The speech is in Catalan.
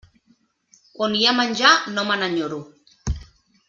On hi ha menjar no me n'enyoro.